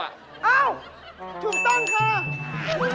อ้าวถูกต้องค่ะ